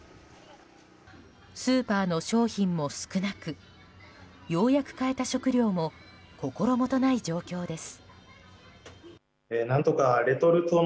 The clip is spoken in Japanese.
スーパーの商品も少なくようやく買えた食料も心もとない状況です。